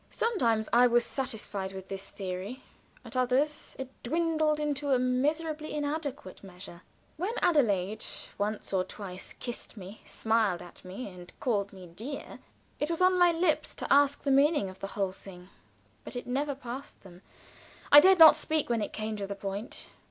Sometimes I was satisfied with this theory; at others it dwindled into a miserably inadequate measure. When Adelaide once or twice kissed me, smiled at me, and called me "dear," it was on my lips to ask the meaning of the whole thing, but it never passed them. I dared not speak when it came to the point.